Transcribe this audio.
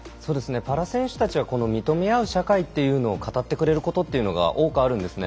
パラ選手たちはこの認め合う社会というのを語ってくれることが多くあるんですね。